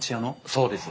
そうです。